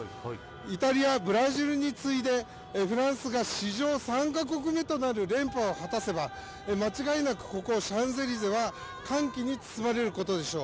イタリア、ブラジルに次いでフランスが史上３カ国目となる連覇を果たせば間違いなくここシャンゼリゼは歓喜に包まれることでしょう。